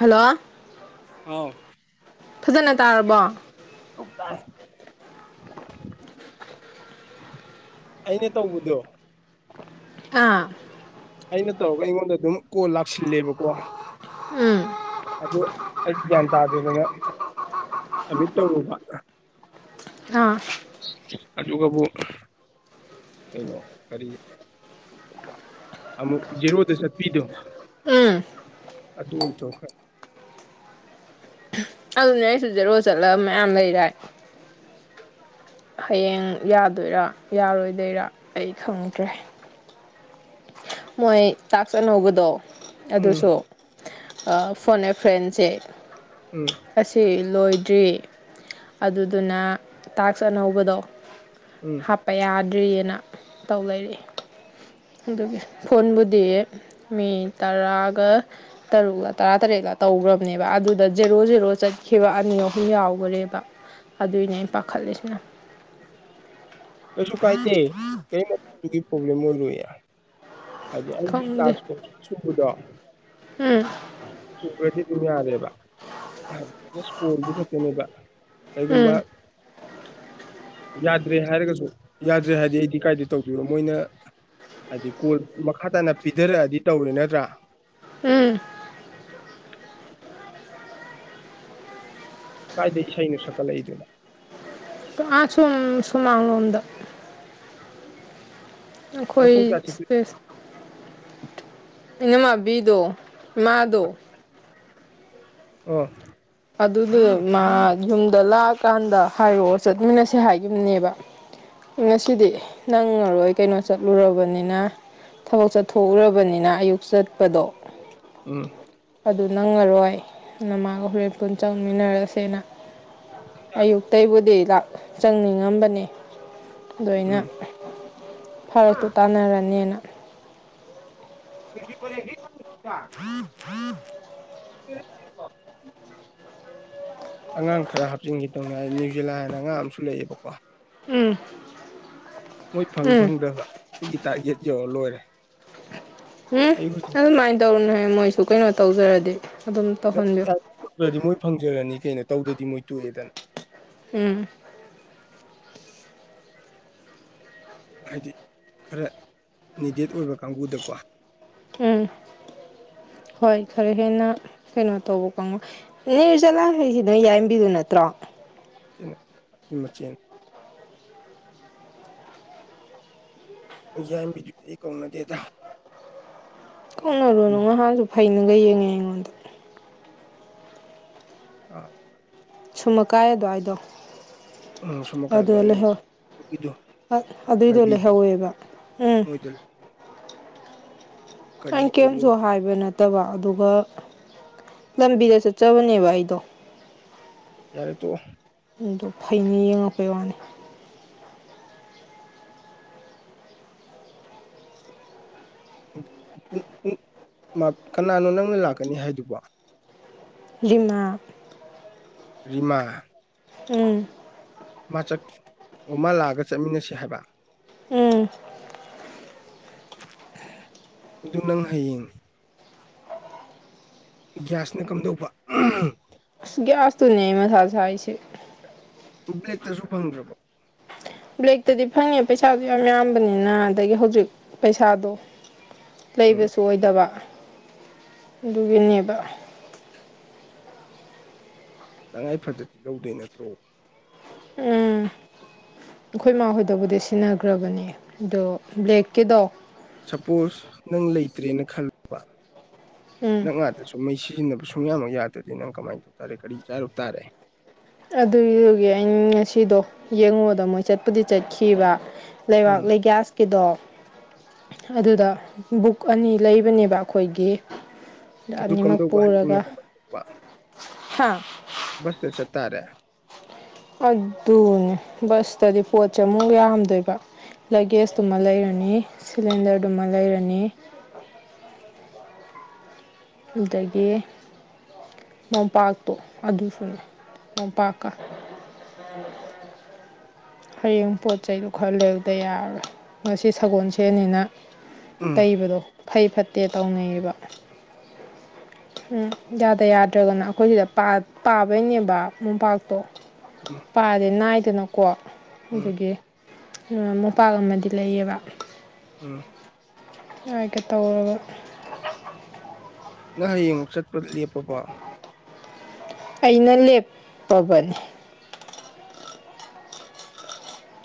hello ꯑꯥꯎ ꯐꯖꯅ ꯇꯥꯔꯕꯣ ꯎꯄꯥꯏ ꯑꯩꯅ ꯇꯧꯕꯨꯗꯣ ꯑꯥ ꯑꯩꯅ ꯇꯧꯔꯒ ꯑꯩꯉꯣꯟꯗ ꯑꯗꯨꯝ ꯀꯣꯜ ꯂꯥꯛꯁꯤꯜꯂꯦꯕꯀꯣ ꯎꯝ ꯑꯗꯨ ꯑꯩ ꯒ꯭ꯌꯥꯟ ꯇꯥꯗꯦꯗꯅ ꯁꯃꯤꯠ ꯇꯧꯔꯨꯕ ꯑ ꯑꯗꯨꯒꯕꯨ ꯀꯩꯅꯣ ꯀꯔꯤ ꯑꯃꯨꯛ ꯖꯦꯔꯣꯗ ꯆꯠꯄꯤꯗꯣ ꯎꯝ ꯑꯗꯨꯊꯣꯛꯈ꯭ꯔꯦ ꯑꯗꯨꯅꯦ ꯑꯩꯁꯨ ꯖꯦꯔꯣ ꯆꯠꯂꯒ ꯃꯌꯥꯝ ꯂꯩꯔꯦ ꯍꯌꯦꯡ ꯌꯥꯗꯣꯏꯔꯥ ꯌꯥꯔꯣꯏꯗꯣꯏꯔꯥ ꯑꯩ ꯈꯪꯗ꯭ꯔꯦ ꯃꯣꯏ ꯇꯥꯛꯆꯅꯧꯕꯗꯣ ꯎꯝ ꯑꯗꯨꯁꯨ ꯐꯣꯟ ꯑꯦ ꯐ꯭ꯔꯦꯟꯁꯦ ꯎꯝ ꯑꯁꯤꯁꯦ ꯂꯣꯏꯗ꯭ꯔꯤ ꯑꯗꯨꯗꯨꯅ ꯇꯥꯛꯁ ꯑꯅꯧꯕꯗꯣ ꯎꯝ ꯍꯥꯞꯄ ꯌꯥꯗ꯭ꯔꯤꯑꯅ ꯇꯧ ꯂꯩꯔꯦ ꯑꯗꯨꯒꯤ ꯐꯣꯟꯕꯨꯗꯤ ꯃꯤ ꯇꯔꯥꯒ ꯇꯔꯨꯛꯂ ꯇꯔꯥ ꯇꯔꯦꯠꯂ ꯇꯧꯈ꯭ꯔꯕꯅꯦꯕ ꯑꯗꯨꯗ ꯖꯦꯔꯣ ꯖꯦꯔꯣ ꯆꯠꯈꯤꯕ ꯑꯅꯤ ꯑꯍꯨꯝ ꯌꯥꯎꯈꯔꯦꯕ ꯑꯗꯨꯏꯅꯦ ꯑꯩꯅ ꯄꯥꯈꯠꯂꯤꯁꯤꯅ ꯀꯩꯁꯨ ꯀꯥꯏꯗꯦ ꯀꯔꯤꯗꯨꯒꯤ ꯄ꯭ꯔꯣꯕ꯭ꯂꯦꯝ ꯑꯣꯏꯔꯣꯏ ꯍꯥꯏꯗꯤ ꯑꯩꯒꯤ ꯈꯪꯗꯦ ꯇꯖ ꯀꯣꯡ ꯁꯥꯥ ꯁꯣꯡꯕꯗꯣ ꯎꯝ ꯁꯨꯒꯦꯗꯤꯤ ꯇꯃꯤ ꯑꯔꯦꯕ ꯍꯥꯏ ꯁꯀꯣꯜꯗꯨ ꯈꯛꯇꯅꯦꯕ ꯀꯩꯒꯨꯝꯕ ꯎꯝ [unintelligible] ꯌꯥꯗ꯭ꯔꯦ ꯍꯥꯏꯔꯒꯁꯨ ꯌꯥꯗ꯭ꯔꯦ ꯍꯥꯏꯔꯗꯤ ꯑꯩꯗꯤ ꯀꯥꯏꯗ ꯇꯧꯗꯣꯏꯕ ꯃꯣꯏꯅ ꯍꯥꯏꯗꯤ ꯀꯣꯜ ꯃꯈꯥ ꯇꯥꯅ ꯄꯤꯊꯔꯛꯑꯗꯤ ꯇꯧꯔꯦ ꯅꯠꯇ꯭ꯔꯥ ꯎꯝ ꯎ ꯀꯥꯏꯗ ꯏꯁꯩꯅꯣ ꯁꯛꯀꯠꯂꯛꯏꯗꯨꯅꯣ ꯑꯥꯆꯨꯝ ꯁꯨꯃꯥꯡꯥꯡꯣꯗ ꯅꯪ ꯑꯩꯈꯣꯏ ꯄꯨꯡ ꯀꯌꯥ ꯆꯠꯇꯣꯏ ꯏꯁ ꯑꯩꯅꯃꯕꯤꯗꯣ ꯃꯥꯗꯣ ꯑꯣ ꯑꯗꯨꯗꯨ ꯃꯥ ꯌꯨꯝꯗ ꯂꯥꯛꯑꯀꯥꯟꯗ ꯍꯥꯏꯔꯛꯑꯣ ꯆꯠꯃꯤꯟꯅꯁꯦ ꯍꯥꯏꯈꯤꯕꯨꯝꯅꯦꯕ ꯉꯁꯤꯗꯤ ꯅꯪꯉꯔꯣꯏ ꯀꯩꯅꯣ ꯆꯠꯂꯨꯔꯕꯅꯤꯅ ꯊꯕꯛ ꯆꯠꯊꯣꯛꯎꯔꯕꯅꯤꯅ ꯑꯌꯨꯛ ꯆꯠꯄꯗꯣ ꯎꯝ ꯑꯗꯨ ꯅꯪꯉꯔꯣꯏ ꯅ ꯃꯥꯒ ꯍꯣꯔꯦꯟ ꯄꯨꯟ ꯆꯪꯃꯤꯟꯅꯔꯁꯦꯅ ꯑꯌꯨꯛꯇꯕꯨꯗꯤ ꯆꯪꯅꯤꯡꯉꯝꯕꯅꯤ ꯑꯗꯨꯣꯏꯅ ꯎꯝ ꯐꯔꯠꯇꯨ ꯇꯥꯟꯅꯔꯅꯦꯅ ꯀ ꯄꯦ ꯍ ꯁꯤꯀ ꯔꯣ ꯑꯉꯥꯡ ꯈꯔ ꯍꯥꯞꯆꯤꯟꯈꯤꯗꯧꯅꯤ ꯍꯥꯏ ꯅ꯭ꯌꯨꯖꯤꯂꯥꯟ ꯍꯥꯏꯅ ꯑꯉꯥꯡ ꯑꯃꯁꯨ ꯂꯩꯑꯦꯕꯀꯣ ꯎꯝ ꯃꯣꯏ ꯐꯪ ꯎꯝ ꯐꯪꯗ꯭ꯔꯕ ꯑꯩꯒꯤ ꯇꯥꯔꯒꯦꯠ ꯌꯧꯔ ꯂꯣꯏꯔꯦ ꯎꯝ ꯑꯩ ꯍꯧꯖꯤꯛ ꯑꯗꯨꯃꯥꯏꯅ ꯇꯧꯅ ꯃꯣꯏꯁꯨ ꯀꯩꯅꯣ ꯇꯧꯖꯔꯗꯤ ꯑꯗꯨꯝ ꯇꯧꯍꯟꯕꯤꯌꯨ ꯅꯧꯗ꯭ꯔꯗꯤ ꯃꯣꯏ ꯐꯪꯖꯔꯅꯤ ꯀꯩꯅꯣ ꯇꯧꯗ꯭ꯔꯗꯤ ꯃꯣꯏ ꯇꯣꯛꯑꯦꯗꯅ ꯎꯝ ꯍꯥꯏꯗꯤ ꯈꯔ ꯅꯤꯗꯦꯠ ꯑꯣꯏꯕ ꯀꯥꯡꯕꯨꯗꯀꯣ ꯎꯝ ꯍꯣꯏ ꯈꯔꯦ ꯍꯦꯟꯅ ꯀꯩꯅꯣ ꯇꯧꯕ ꯀꯥꯡꯪꯉꯣ ꯅ ꯆꯠꯂꯥꯡꯈꯩꯁꯤ ꯅꯣꯏ ꯌꯥꯔꯟꯕꯤꯗꯨ ꯅꯠꯇ꯭ꯔꯣ ꯅꯠꯇꯦ ꯅꯠꯇꯦ ꯑꯩꯣꯏ ꯃꯆꯦꯅꯤ ꯌꯥꯏꯕꯤꯗꯨꯗꯤ ꯑꯩ ꯀꯧꯅꯗꯦꯗ ꯃꯁꯛꯇꯨ ꯀꯧꯅꯔꯨꯅꯨ ꯉꯥꯍꯟꯁꯨ ꯐꯩꯅꯒ ꯌꯦꯡꯉꯦ ꯑꯩꯉꯣꯟꯗ [unintelligible] ꯁꯨꯝꯃꯀꯥꯏ ꯑꯗꯋꯥꯏꯗꯣ ꯎꯝ ꯁꯃꯨꯀꯥꯏꯗꯋꯥꯏ ꯂꯩ ꯑꯗꯨꯏꯗꯣ ꯂꯩꯍꯧꯋꯦꯕ ꯎꯝ ꯃꯣꯏꯗ ꯀꯔꯤ ꯑꯩꯅ ꯇꯧꯔꯤꯅꯣ ꯀꯦꯝꯁꯨ ꯍꯥꯏꯕ ꯅꯠꯇꯕ ꯑꯗꯨꯒ ꯂꯝꯕꯤꯗ ꯆꯠꯆꯕꯅꯦꯕ ꯑꯩꯗꯣ ꯌꯥꯔꯦ ꯇꯣꯛꯑꯣ ꯑꯗꯨ ꯐꯩꯅ ꯌꯦꯡꯉꯛꯄꯩ ꯋꯥꯅꯤ ꯀꯅꯥꯅꯣ ꯅꯪꯅ ꯂꯥꯛꯀꯅꯤ ꯍꯥꯏꯗꯨꯕꯣ ꯂꯤꯃꯥ ꯔꯤꯃꯥ ꯎꯝ ꯃꯆꯛ ꯑꯃ ꯂꯥꯛꯑꯒ ꯆꯠꯃꯤꯟꯅꯁꯤ ꯍꯥꯏꯕ ꯎꯝ ꯑꯗꯨ ꯅꯪ ꯍꯌꯦꯡ ꯒ꯭ꯌꯥꯁꯅ ꯀꯝꯗꯧꯕ ꯑꯁ ꯒꯤꯌꯁ ꯇꯨꯅꯦ ꯃꯊꯥ ꯁꯥꯏꯁꯦ ꯕꯂꯦꯛꯇꯁꯨ ꯐꯪꯗ꯭ꯔꯕ ꯕ꯭ꯂꯦꯛꯇꯗꯤ ꯐꯪꯉꯦ ꯄꯩꯁꯥꯗꯨ ꯌꯥꯝ ꯌꯥꯝꯕꯅꯤꯅ ꯑꯗꯒꯤ ꯍꯧꯖꯤꯛ ꯄꯩꯁꯥꯗꯣ ꯎꯝ ꯂꯩꯕꯁꯨ ꯑꯣꯏꯗꯕ ꯑꯗꯨꯒꯤꯅꯦꯕ ꯇꯉꯥꯏ ꯐꯗꯗꯤ ꯂꯧꯗꯣꯏ ꯅꯠꯇ꯭ꯔꯣ ꯎꯝ ꯑꯩꯈꯣꯏ ꯃꯥꯍꯣꯏꯗꯕꯨꯗꯤ ꯁꯤꯟꯅꯈ꯭ꯔꯕꯅꯦ ꯑꯗꯣ ꯕ꯭ꯂꯦꯛꯀꯤꯗꯣ ꯁꯄꯣꯁ ꯅꯪ ꯂꯩꯇ꯭ꯔꯦꯅ ꯈꯜꯂꯣꯕ ꯎꯝ ꯅꯪ ꯉꯥꯛꯇꯁꯨ ꯃꯩ ꯁꯤꯖꯤꯟꯅꯕꯁꯨ ꯁꯨꯡꯌꯥꯃꯛ ꯌꯥꯗ꯭ꯔꯗꯤ ꯅꯪ ꯀꯃꯥꯏꯅ ꯇꯧ ꯇꯥꯔꯦ ꯀꯔꯤ ꯆꯥꯔꯨ ꯇꯥꯔꯦ ꯑꯗꯨꯏꯗꯨꯒꯤ ꯑꯩꯅ ꯉꯁꯤꯗꯣ ꯌꯦꯡꯉꯣꯗ ꯃꯣꯏ ꯆꯠꯄꯨꯗꯤ ꯆꯠꯈꯤꯕ ꯂꯩꯕꯥꯛ ꯎꯝ ꯂꯩꯒ꯭ꯌꯥꯁꯀꯤꯗꯣ ꯑꯗꯨꯗ ꯕꯨꯛ ꯑꯅꯤ ꯂꯩꯕꯅꯦꯕ ꯑꯩꯈꯣꯏꯒꯤ ꯑꯗꯨ ꯑꯅꯤꯃꯛ ꯀꯝꯗꯧꯕ ꯄꯨꯔꯒ ꯍꯌꯦꯡꯅ ꯍꯥ ꯕꯁ ꯇꯥ ꯆꯠ ꯇꯔꯦ ꯑꯗꯨꯅꯦ ꯕꯁꯇꯗꯤ ꯄꯣꯠꯁꯦ ꯑꯃꯨꯛ ꯌꯥꯝꯗꯣꯏꯕ ꯂꯒꯦꯖꯇꯨꯃ ꯂꯩꯔꯅꯤ ꯁꯤꯂꯤꯟꯗꯔꯗꯨꯃ ꯂꯩꯔꯅꯤ ꯑꯗꯒꯤ ꯃꯣꯝꯄꯥꯛꯇꯣ ꯑꯗꯨꯁꯨꯅꯦ ꯃꯣꯝꯄꯥꯛꯀꯥ [unintelligible] ꯍꯌꯦꯡ ꯄꯣꯠ ꯆꯩꯗꯣ ꯈꯔ ꯂꯩꯔꯨꯗ ꯌꯥꯔꯣꯏ ꯉꯁꯤ ꯁꯒꯣꯜꯁꯦꯟꯅꯤꯅ ꯎꯝ ꯇꯩꯕꯗꯣ ꯐꯩ ꯐꯠꯇꯦ ꯇꯧꯅꯩꯌꯦꯕ ꯎꯝ ꯌꯥꯗ ꯌꯥꯗ꯭ꯔꯒꯅ ꯑꯩꯈꯣꯏ ꯁꯤꯗ ꯄꯥꯕꯩꯅꯦꯕ ꯃꯣꯝꯄꯥꯛꯇꯣ ꯎꯝ ꯄꯥꯗꯦ ꯅꯥꯏꯗꯅꯀꯣ ꯎꯝ ꯑꯗꯨꯒꯤ ꯃꯣꯝꯄꯥꯛ ꯑꯃꯗꯤ ꯂꯩꯌꯦꯕ [unintelligible] ꯍꯥꯏꯒꯦ ꯇꯧꯒ ꯅꯪ ꯍꯌꯦꯡ ꯑꯃꯨꯛ ꯆꯠꯄ ꯂꯦꯞꯄꯕꯣ ꯑꯩꯅ ꯂꯦꯞꯄꯕꯅꯦ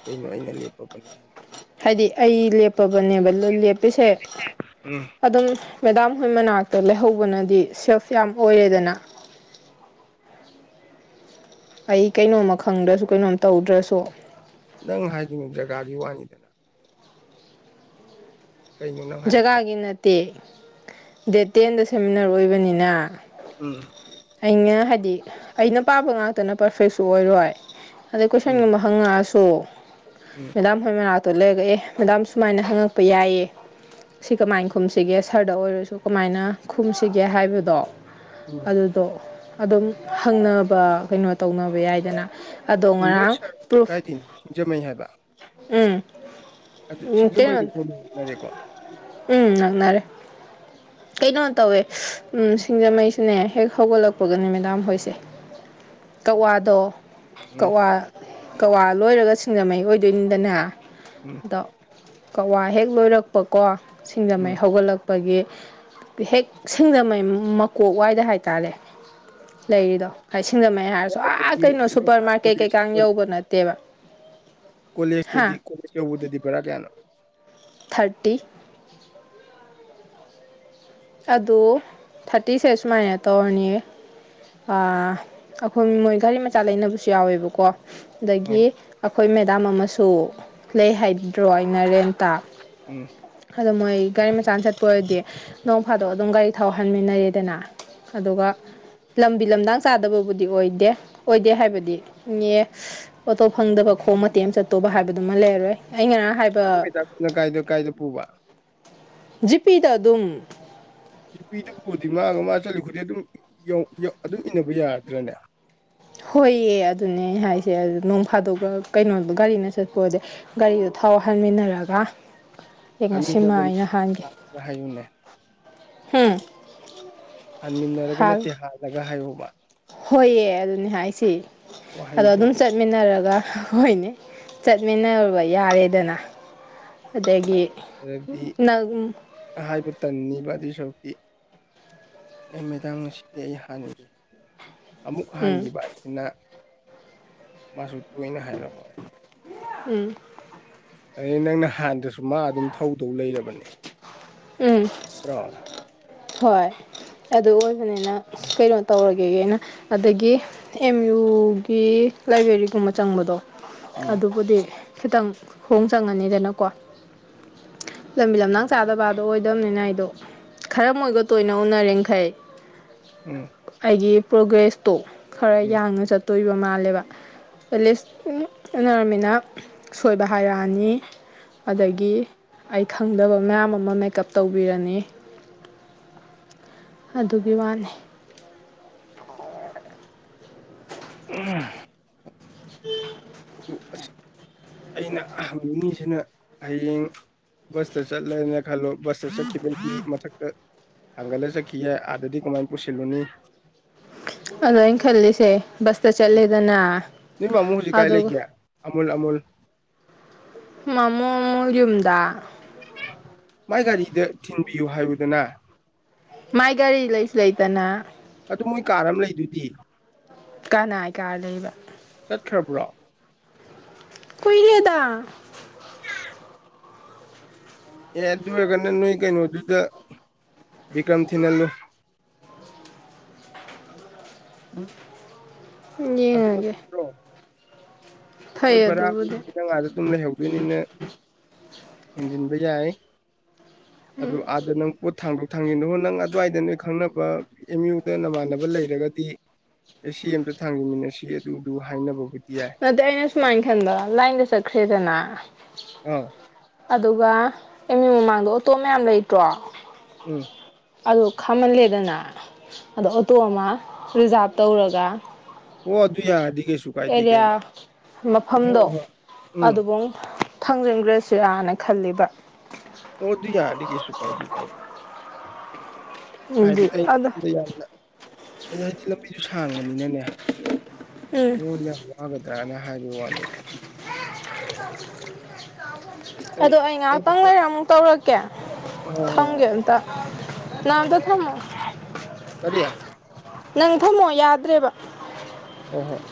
ꯀꯩꯅꯣ ꯑꯩꯅ ꯂꯦꯞꯄꯕꯅꯤ ꯍꯥꯏꯗꯤ ꯑꯩ ꯂꯦꯞꯄꯕꯅꯦꯕ ꯂꯦꯞꯄꯤꯁꯦ ꯎꯝ ꯑꯗꯨꯝ ꯃꯦꯗꯥꯝ ꯍꯣꯏ ꯃꯅꯥꯛꯇ ꯂꯩꯍꯧꯕꯅꯗꯤ ꯁꯦꯐ ꯌꯥꯝ ꯑꯣꯏꯔꯦꯗꯅ [inaudible] ꯑꯩ ꯀꯩꯅꯣꯝꯃ ꯈꯪꯗ꯭ꯔꯁꯨ ꯀꯩꯅꯣꯝ ꯇꯧꯗ꯭ꯔꯁꯨ ꯅꯪ ꯍꯥꯏꯈꯤꯕ ꯖꯒꯥꯒꯤ ꯋꯥꯅꯤꯗꯅ ꯀꯩꯅꯣ ꯅꯪ ꯍꯥꯏꯔꯤꯁꯦ ꯖꯒꯥꯒꯤ ꯅꯠꯇꯦ ꯗꯦꯠ ꯇꯦꯟꯗ ꯁꯦꯃꯤꯅꯥꯔ ꯑꯣꯏꯕꯅꯤꯅ ꯎꯝ [unintelligible] [inaudible] ꯑꯩꯅ ꯍꯥꯏꯗꯤ ꯑꯩꯅ ꯄꯥꯝꯕꯥ ꯉꯥꯛꯇꯅ ꯄꯔꯐꯦꯛꯁꯨ ꯑꯣꯏꯔꯣꯏ ꯑꯗꯩ ꯎꯝ ꯀꯣꯏꯁꯟꯒꯨꯝꯕ ꯍꯪꯉꯛꯑꯁꯨ ꯁꯣ ꯎꯝ ꯃꯦꯗꯥꯝ ꯍꯣꯏ ꯃꯅꯥꯛꯇ ꯂꯩꯔꯒꯥ ꯃꯦꯗꯥꯝ ꯁꯨꯃꯥꯏꯅ ꯍꯪꯉꯛꯄ ꯌꯥꯏꯌꯦ ꯁꯤ ꯀꯃꯥꯏꯅ ꯈꯨꯝꯁꯤꯒꯦ ꯁꯔꯗ ꯑꯣꯏꯔꯁꯨ ꯀꯃꯥꯏꯅ ꯈꯨꯝꯁꯤꯒꯦ ꯍꯥꯏꯕꯗꯣ ꯎ [unintelligible] [inaudible] ꯑꯗꯨꯗꯣ ꯑꯗꯨꯝ ꯍꯪꯅꯕ ꯀꯩꯅꯣ ꯇꯧꯅꯕ ꯌꯥꯏꯗꯅ ꯑꯗꯣ ꯅꯣꯏ ꯉꯔꯥꯡ ꯁꯥꯔꯗꯨ ꯄ꯭ꯔꯨꯐ ꯀꯥꯏꯗꯩꯅꯣ ꯁꯤꯡꯖꯃꯩ ꯍꯥꯏꯕ ꯎꯝ ꯑꯗꯨ ꯁꯤꯡꯖꯃꯩꯒꯁꯨ ꯑꯃꯨꯛ ꯅꯛꯅꯔꯦꯀꯣ ꯎꯝ ꯅꯛꯅꯔꯦ ꯀꯩꯅꯣ ꯇꯧꯋꯦ ꯎ ꯁꯤꯡꯖꯃꯩꯁꯨꯅꯦ ꯍꯦꯛ ꯍꯧꯒꯠꯂꯛꯄꯒꯅꯦ ꯃꯦꯗꯥꯝ ꯍꯣꯏꯁꯦ ꯀꯛꯋꯥꯗꯣ ꯎꯝ ꯀꯛꯋꯥ ꯀꯋꯥ ꯂꯣꯏꯔꯒ ꯁꯤꯡꯖꯃꯩ ꯑꯣꯏꯗꯣꯏꯅꯤꯗꯅ ꯎꯝ ꯑꯗꯣ ꯀꯛꯋꯥ ꯍꯦꯛ ꯂꯣꯏꯔꯛꯄꯀꯣ ꯁꯤꯡꯖꯃꯩ ꯎꯝ ꯍꯧꯒꯠꯂꯛ ꯑꯩꯒꯤ ꯍꯦꯛ ꯁꯤꯡꯖꯥꯃꯩ ꯃꯀꯣꯛ ꯋꯥꯏꯗ ꯍꯥꯏꯇꯥꯔꯦ ꯂꯩꯔꯤꯗꯣ ꯍꯥꯏ ꯁꯤꯡꯖꯃꯩ ꯍꯥꯏꯔꯁꯨ ꯅꯪ ꯑꯥ ꯑꯗꯒꯤ ꯀꯩꯅꯣ ꯅꯪ ꯁꯨꯄꯔ ꯑꯥ ꯃꯥꯔꯀꯦꯠ ꯀꯣꯂꯦꯖ ꯀꯩꯀꯥ ꯌꯧꯕ ꯅꯠꯇꯦꯕ ꯀꯣꯂꯦꯖꯇꯗꯤ ꯍꯥ ꯀꯣꯂꯦꯖ ꯌꯧꯕꯗꯗꯤ ꯕꯔꯥ ꯀꯌꯥꯅꯣ ꯊꯥꯔꯇꯤ ꯑꯗꯨ ꯊꯥꯔꯇꯤꯁꯦ ꯁꯨꯃꯥꯏꯅ ꯇꯧꯔꯅꯤ ꯑꯩꯈꯣꯏ ꯃꯣꯏ ꯒꯥꯔꯤ ꯃꯆꯥ ꯂꯩꯅꯕꯁꯨ ꯌꯥꯎꯋꯦꯕꯀꯣ ꯑꯗꯒꯤ ꯍꯣꯏꯅꯦ ꯑꯩꯈꯣꯏ ꯃꯦꯗꯥꯝ ꯑꯃꯁꯨ ꯂꯩ ꯍꯥꯏꯒꯤꯗ꯭ꯔꯣ ꯑꯩꯅ ꯔꯦꯟꯇꯥ ꯌꯦ ꯑꯗꯣ ꯃꯣꯏ ꯒꯥꯔꯤ ꯃꯆꯥ ꯆꯠꯄ ꯑꯣꯏꯔꯗꯤ ꯅꯣꯡ ꯐꯥꯗꯣꯛ ꯑꯗꯨꯝ ꯒꯥꯔꯤ ꯊꯥꯎ ꯍꯟꯃꯤꯟꯅꯔꯦꯗꯅ ꯑꯗꯨꯒ ꯂꯝꯕꯤ ꯂꯝꯗꯥꯡ ꯆꯥꯗꯕꯕꯨꯗꯤ ꯑꯣꯏꯗꯦ ꯑꯣꯏꯗꯦ ꯍꯥꯏꯕꯗꯤ ꯑꯣꯇꯣ ꯐꯪꯗꯕ ꯈꯣꯡ ꯃꯇꯦꯛ ꯑꯃ ꯆꯠꯇꯧꯕ ꯍꯥꯏꯕꯗꯨꯃ ꯂꯩꯔꯥꯔꯣꯏ ꯅꯩ ꯇꯥꯛꯅ ꯀꯥꯏꯗ ꯀꯥꯏꯗ ꯄꯨꯕ ꯖꯤꯄꯤꯗ ꯑꯗꯨꯝ ꯌꯄꯤꯗꯨ ꯄꯨꯔꯗꯤ ꯃꯥꯒ ꯃꯥ ꯆꯠꯂꯤ ꯈꯨꯗꯤ ꯑꯗꯨꯝ ꯑꯗꯨꯝ ꯏꯟꯅꯕ ꯌꯥꯗ꯭ꯔꯥꯅꯦ ꯍꯣꯏꯌꯦ ꯑꯗꯨꯅꯦ ꯍꯥꯏꯁꯦ ꯅꯣꯡ ꯐꯥꯗꯣꯛꯁꯨ ꯀꯩꯅꯣꯗꯣ ꯒꯥꯔꯤꯅ ꯆꯠꯄ ꯑꯣꯏꯔꯗꯤ ꯒꯥꯔꯤꯗ ꯊꯥꯎ ꯍꯟꯃꯤꯟꯅꯔꯒ ꯑꯩ ꯍꯟꯃꯤꯟꯅꯕꯅꯤ ꯉꯁꯤꯃꯥꯏꯅ ꯍꯥꯟꯈꯤ ꯍꯥꯜꯂꯒ ꯍꯥꯏꯌꯨꯅꯦ ꯍꯝ ꯍꯟꯃꯤꯟꯅꯔꯒ ꯅꯠꯇꯦ ꯍꯜꯂꯒ ꯍꯥꯏꯌꯣ ꯍꯣꯏꯑ ꯑꯗꯨꯅꯦ ꯍꯥꯏꯁꯦ ꯑꯗꯣ ꯋꯥꯍꯩꯗꯣ ꯑꯗꯨꯝ ꯆꯠꯃꯤꯟꯅꯔꯒ ꯑꯗꯨꯒ ꯍꯣꯏꯅꯦ ꯆꯠꯃꯤꯟꯅꯔꯨꯕ ꯌꯥꯔꯦꯗꯅ ꯑꯗꯒꯤ ꯍꯥꯏꯗꯤ ꯅꯪ ꯍꯥꯏꯕ ꯇꯟꯅꯤꯕ ꯁꯔꯛꯇꯤ ꯃꯦꯗꯥꯝ ꯉꯁꯤꯗꯤ ꯑꯩ ꯍꯥꯟꯅꯒꯤ ꯑꯃꯨꯛ ꯎꯝ ꯍꯟꯈꯤꯕ ꯍꯥꯏꯁꯤꯅ ꯃꯥꯁꯨ ꯇꯣꯏꯅ ꯍꯥꯏꯔꯛꯑꯣꯏ ꯎꯝ ꯑ ꯅꯪꯅ ꯍꯥꯏꯕꯥꯗꯁꯨ ꯃꯥ ꯑꯗꯨꯝ ꯊꯧꯗꯧ ꯂꯩꯔꯕꯅꯤ ꯎꯝ ꯑ꯭ꯔꯣ ꯍꯣꯏ ꯑꯗꯨ ꯑꯣꯏꯕꯅꯤꯅ ꯀꯩꯅꯣ ꯇꯧꯔꯒꯦ ꯑꯩꯅ ꯑꯗꯒꯤ ꯑꯦꯝ ꯑꯗꯨꯨꯒꯤ ꯂꯥꯏꯕ꯭ꯔꯦꯔꯤꯒꯨꯝꯕ ꯆꯪꯕꯗꯣ ꯎꯝ ꯑꯗꯨꯕꯨꯗꯤ ꯈꯤꯇꯪ ꯈꯣꯡ ꯆꯪꯉꯅꯤꯗꯅꯀꯣ ꯎꯝ ꯂꯝꯕꯤ ꯂꯝꯂꯡ ꯆꯥꯗꯕꯗꯣ ꯑꯣꯏꯗꯕꯅꯤꯅ ꯑꯩꯗꯣ ꯈꯔ ꯃꯣꯏꯗꯣ ꯇꯣꯏꯅ ꯎꯅꯔꯤꯈꯩ ꯎꯝ ꯑꯩꯒꯤ ꯄ꯭ꯔꯣꯒ꯭ꯔꯦꯁꯇꯣ ꯈꯔ ꯎꯝ ꯌꯥꯡꯅ ꯆꯠꯇꯣꯏꯕ ꯃꯥꯜꯂꯦꯕ ꯑꯦꯂꯤꯁ ꯏꯅꯥꯔꯃꯤꯅꯥ ꯁꯣꯏꯕ ꯍꯥꯢꯔꯛꯑꯥꯅꯤ ꯑꯗꯒꯤ ꯑꯩ ꯈꯪꯗꯕ ꯃꯌꯥꯝ ꯑꯃ ꯃꯦꯀꯞ ꯇꯧꯕꯤꯔꯅꯤ ꯑꯗꯨꯒꯤ ꯋꯥꯅꯤ ꯪꯑꯗꯨ ꯑꯩꯅ ꯍꯪꯅꯤꯡꯉꯤꯁꯤꯅ ꯍꯌꯦꯡ ꯕꯁꯇꯔ ꯆꯠꯂꯅ ꯈꯂꯣ ꯁꯇꯔ ꯆ ꯈꯄ ꯃꯊꯛ ꯊꯪꯒꯥꯂ ꯆ ꯀꯍꯦ ꯑꯗꯗꯤ ꯀꯃꯥꯏ ꯄꯨꯁꯤꯂꯨꯅꯤ ꯑꯗꯨ ꯑꯩꯅ ꯈꯜꯂꯤꯁꯦ ꯕꯁꯇꯥ ꯆꯠꯂꯗꯅ ꯅꯣꯏ ꯃꯥꯃꯣ ꯍꯧꯖꯤꯛ ꯀꯥꯏ ꯑꯗꯨ ꯂꯩꯒꯦ ꯑꯃꯨꯜ ꯑꯃꯨꯜ ꯃꯃꯨ ꯃꯃꯣ ꯌꯨꯝꯗꯗꯥ ꯃꯥꯏ ꯒꯥꯔꯤꯗ ꯊꯤꯟꯕꯤꯌꯨ ꯍꯥꯏꯌꯨꯗꯅ ꯃꯥꯏ ꯒꯥꯔꯤ ꯂꯩꯁꯨ ꯂꯩꯇꯅ ꯑꯗꯨ ꯃꯣꯏ ꯀꯥꯔ ꯑꯃ ꯂꯩꯗꯨꯗꯤ ꯀꯅꯥꯏ ꯀꯥꯔ ꯂꯩꯕ ꯆꯠꯇ꯭ꯔꯔꯄꯨꯔꯥ ꯀꯨꯏꯔꯥꯗ ꯑꯦ ꯑꯗꯨ ꯑꯣꯏꯔꯒꯅ ꯅꯣꯏ ꯀꯩꯅꯣꯗꯨꯗ ꯕꯤꯀ꯭ꯔꯝ ꯊꯤꯍꯜꯂꯨ [inaudible] ꯑꯗꯨꯅ ꯌꯡꯉꯥꯒꯦ ꯐꯠꯇ꯭ꯔꯣ ꯍꯣꯏ ꯕꯔꯥꯕꯨꯅ ꯉꯥꯗ ꯑꯗꯨꯝ ꯂꯩꯍꯧꯗꯣꯏꯅꯤꯅ ꯍꯦꯟꯖꯤꯟꯕ ꯌꯥꯏ ꯑꯗꯨ ꯑꯥꯗ ꯅꯪ ꯄꯣꯠ ꯊꯥꯡꯗꯣꯛ ꯊꯥꯡꯒꯤꯅꯨ ꯅꯪ ꯑꯗꯨꯋꯥꯏꯗ ꯅꯣꯏ ꯈꯪꯅꯕ ꯑꯦꯝ ꯌꯨꯗ ꯅꯃꯥꯟꯅꯕ ꯂꯩꯔꯒꯗꯤ ꯑꯦ ꯁꯤ ꯑꯝꯇ ꯊꯥꯡꯖꯃꯤꯟꯅꯁꯤ ꯑꯗꯨꯗꯨ ꯍꯥꯏꯅꯕꯕꯨꯗꯤ ꯌꯥꯏ ꯑꯗꯨ ꯑꯩꯅ ꯁꯨꯃꯥꯏꯅ ꯈꯟꯕ ꯂꯥꯏꯟꯗ ꯆꯠꯈ꯭ꯔꯦꯗꯅ ꯑ ꯑꯗꯨꯒ ꯑꯦꯝꯌꯨꯃꯤ ꯃꯃꯥꯡꯗ ꯑꯣꯇꯣ ꯃꯌꯥꯝ ꯂꯩꯇ꯭ꯔꯣ ꯎꯝ ꯑꯗꯨ ꯈꯥꯝꯍꯜꯂꯦꯗꯅ ꯑꯗꯣ ꯑꯣꯇꯣ ꯑꯃ ꯔꯤꯖꯥꯞ ꯇꯧꯔꯒ ꯑꯣ ꯑꯗꯨ ꯌꯥꯗꯤꯒꯦꯁꯨꯨ ꯀꯥꯏ ꯀꯌꯥ ꯃꯐꯝꯗꯣ ꯎꯝ ꯑꯗꯨꯨꯡ ꯊꯥꯡꯖꯤꯟꯈ꯭ꯔꯁꯤꯔꯥꯅ ꯈꯜꯂꯤꯕ ꯑꯣ ꯑꯗꯨ ꯌꯥꯅꯤ ꯀꯩꯁꯨꯨ ꯀꯥꯏ ꯀꯥꯏꯦ ꯍꯥꯏꯗꯤ ꯑꯩ ꯑꯗꯣ ꯌꯥꯝꯅ ꯍꯥꯏꯗꯤ ꯂꯝꯕꯤꯁꯨ ꯁꯥꯡꯕꯅꯤꯅꯅꯦ ꯎꯝ ꯃꯤꯉꯣꯟꯗ ꯌꯥꯝ ꯋꯥꯒꯗ꯭ꯔꯥꯅ ꯍꯥꯏ ꯋꯥꯅꯤꯗ ꯑꯗꯣ ꯑꯩ ꯉꯥꯏꯍꯥꯛꯇꯪ ꯂꯩꯔ ꯑꯃꯨꯛ ꯇꯧꯔꯛꯀꯦ ꯍꯣꯏ ꯍꯣꯏ ꯍꯣꯏ ꯊꯥꯝꯒꯦ ꯑꯃꯝꯇ ꯅꯪ ꯑꯃꯇ ꯊꯝꯃꯨ ꯀꯔꯤ ꯅꯪ ꯊꯝꯃꯣ ꯌꯥꯗ꯭ꯔꯦꯕ ꯑꯣ ꯍꯣꯏ